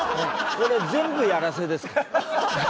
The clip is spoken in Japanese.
これ全部やらせですから。